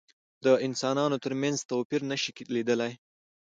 د انسانانو تر منځ توپيرونه نشي لیدلای.